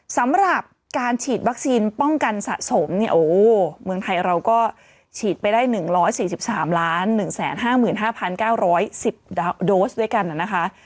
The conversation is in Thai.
สำหรับการฉีดวัคซีนป้องกันสะสมเนี่ยโอ้โหเมืองไทยเราก็ฉีดไปได้๑๔๓๑๕๕๙๑๐โดสด้วยกันนะคะ